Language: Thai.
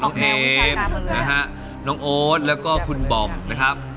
เอมนะฮะน้องโอ๊ตแล้วก็คุณบอมนะครับ